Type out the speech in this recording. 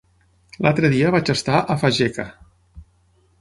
L'altre dia vaig estar a Fageca.